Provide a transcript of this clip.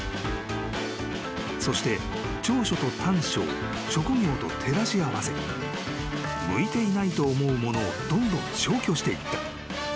［そして長所と短所を職業と照らし合わせ向いていないと思うものをどんどん消去していった］